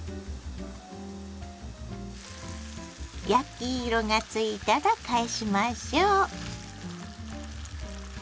焼き色がついたら返しましょう。